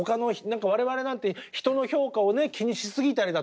我々なんて人の評価を気にしすぎたりだとかね。